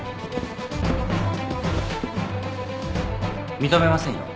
認めませんよ